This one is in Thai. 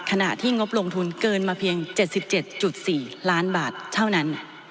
ขณะที่งบลงทุนเกินมาเพียง๗๗๔ล้านบาทเท่านั้น